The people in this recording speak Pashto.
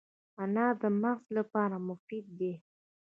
انار د مغز لپاره مفید دی.